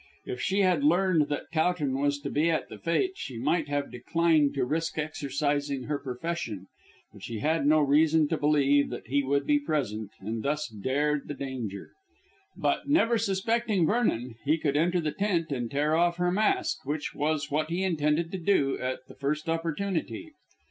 If she had learned that Towton was to be at the fête she might have declined to risk exercising her profession; but she had no reason to believe that he would be present, and thus dared the danger. But, never suspecting Vernon, he could enter the tent and tear off her mask, which was what he intended to do at the first opportunity.